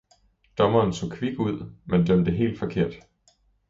Dommeren så kvik ud, men dømte helt forkert.